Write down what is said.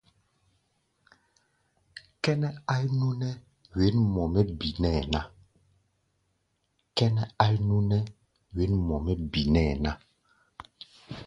Kʼɛ́nɛ́ áí núʼnɛ́ wěn mɔ mɛ́ binɛ́ɛ ná.